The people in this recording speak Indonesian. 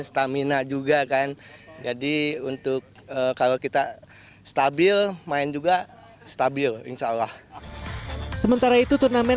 stamina juga kan jadi untuk kalau kita stabil main juga stabil insyaallah sementara itu turnamen